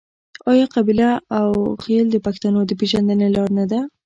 آیا قبیله او خیل د پښتنو د پیژندنې لار نه ده؟